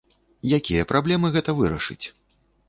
Якія праблемы гэта вырашыць?